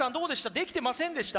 できてませんでした？